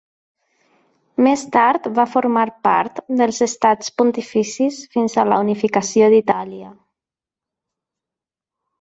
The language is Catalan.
Més tard va formar part dels Estats Pontificis fins a la unificació d'Itàlia.